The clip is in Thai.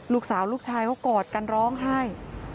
ลูกชายลูกชายเขากอดกันร้องไห้